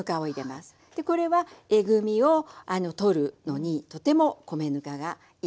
これはえぐみを取るのにとても米ぬかがいい。